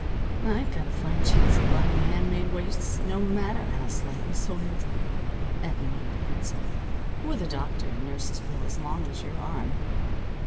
"I've got a fine chance of buying hand made waists, no matter how slightly soiled," Effie made answer, "with a doctor and nurse's bill as long as your arm."